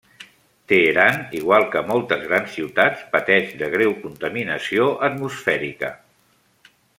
Teheran, igual que moltes grans ciutats, pateix de greu contaminació atmosfèrica.